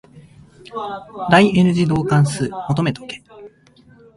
第 n 次導関数求めとけ。